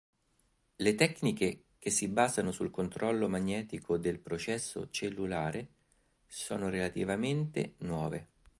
Le tecniche che si basano sul controllo magnetico del processo cellulare sono relativamente nuove.